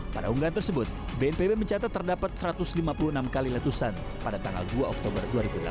pada unggahan tersebut bnpb mencatat terdapat satu ratus lima puluh enam kali letusan pada tanggal dua oktober dua ribu delapan belas